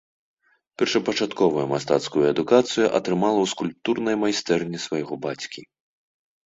Першапачатковую мастацкую адукацыю атрымала ў скульптурнай майстэрні свайго бацькі.